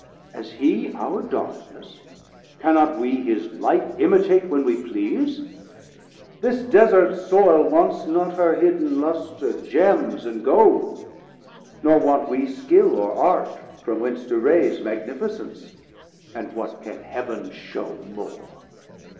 As he our Darkness, cannot we his Light Imitate when we please? This Desart soile 270 Wants not her hidden lustre, Gemms and Gold; Nor want we skill or art, from whence to raise Magnificence; and what can Heav'n shew more?